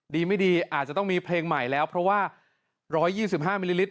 ดีไม่ดีอาจจะต้องมีเพลงใหม่แล้วเพราะว่าร้อยยี่สิบห้ามิลลิลิตร